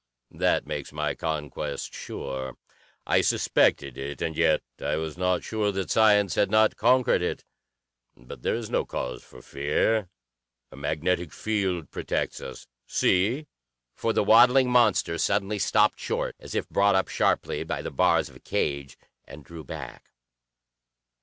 "That makes my conquest sure. I suspected it, and yet I was not sure that science had not conquered it. But there is no cause for fear. A magnetic field protects us. See!" For the waddling monster suddenly stopped short as if brought up sharply by the bars of a cage, and drew back.